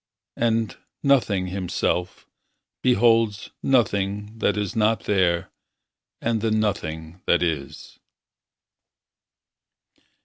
And, nothing himself, beholds Nothing that is not there and the nothing that is.